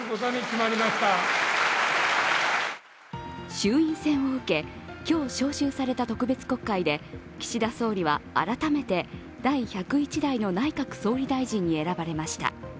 衆院選を受け、今日、召集された特別国会で岸田総理は改めて第１０１代の内閣総理大臣に選ばれました。